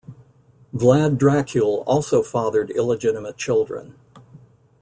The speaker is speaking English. Vlad Dracul also fathered illegitimate children.